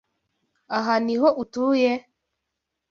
Aha niho utuye?